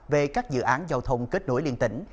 về các dự án giao thông kết nối liên tỉnh